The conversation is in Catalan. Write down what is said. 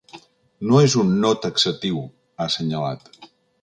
No és un “no” taxatiu, ha assenyalat.